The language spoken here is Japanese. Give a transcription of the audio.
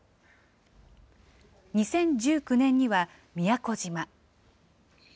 ２０１９年には、宮古島。